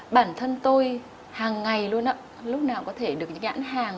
bản thân tôi hàng ngày luôn lúc nào có thể được những nhãn hàng